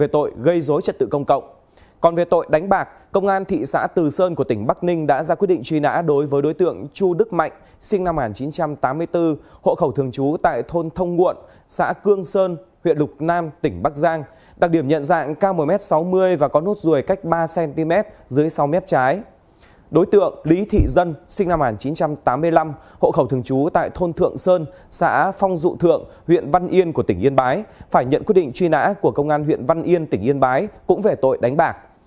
tiếp theo là những thông tin về truy nã của công an huyện văn yên tỉnh yên bái cũng về tội đánh bạc